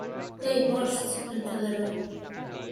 They burst into the room.